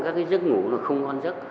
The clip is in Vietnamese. các cái giấc ngủ nó không ngon chất